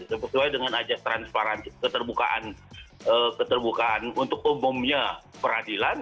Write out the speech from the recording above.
sebetulnya dengan ajak transparan keterbukaan untuk umumnya peradilan